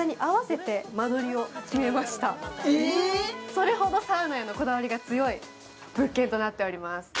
それほどサウナへのこだわりが強い物件となっております。